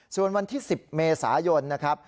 ส่วนวันที่๑๐เมษายนนะครับ